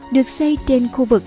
được xây trên khu vực